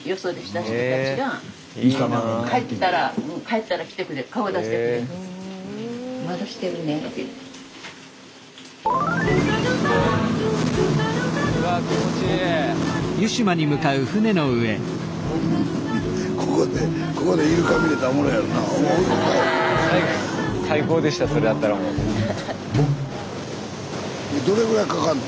スタジオどれぐらいかかんの？